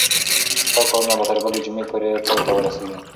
ستا کارونه به تر بلې جمعې پورې پای ته ورسیږي.